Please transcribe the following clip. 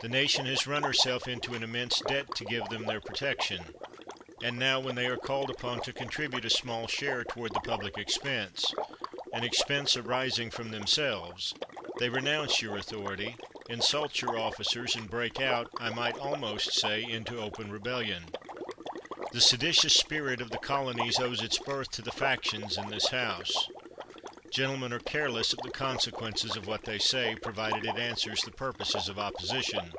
The nation has run herself into an immense debt to give them their protection; and now, when they are called upon to contribute a small share toward the pub lic expense — an expense arising from themselves — they renounce your authority, insult your officers, and break out, I might almost say, into open rebellion. The seditious spirit of the colo nies owes its birth to the factions in this House. Gentlemen are careless of the consequences of what they say, provided it answers the purposes of opposition.